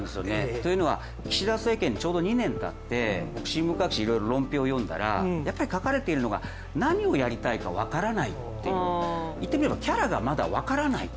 というのも、岸田政権２年たって新聞各紙、いろいろ論評を読んだら、書かれていたのは、何をやりたいのか分からない、言ってみれば、キャラがまだ分からない。